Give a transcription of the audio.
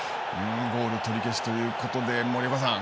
ゴール取り消しということで森岡さん。